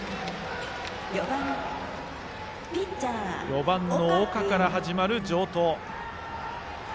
４番の岡から始まる城東。